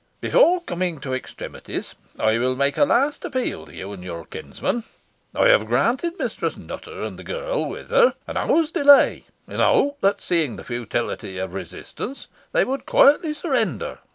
Before coming to extremities, I will make a last appeal to you and your kinsman. I have granted Mistress Nutter and the girl with her an hour's delay, in the hope that, seeing the futility of resistance, they would quietly surrender.